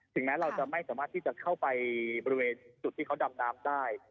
แม้เราจะไม่สามารถที่จะเข้าไปบริเวณจุดที่เขาดำน้ำได้